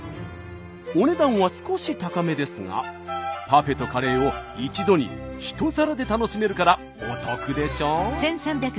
お値段は少し高めですがパフェとカレーを一度に一皿で楽しめるからお得でしょ？